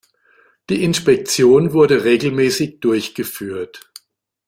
Die Inspektion wurde regelmäßig durchgeführt.